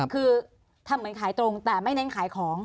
คือทำเหมือนขายตรงแต่ไม่เน้นขายของ